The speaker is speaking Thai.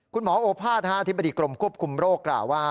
โอภาษอธิบดีกรมควบคุมโรคกล่าวว่า